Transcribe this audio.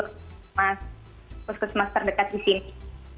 terus ke semas terdekat di sini